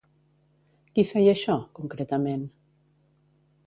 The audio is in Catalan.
Qui feia això, concretament?